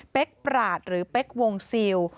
เป๊กปราศหรือเป๊กวงศิลป์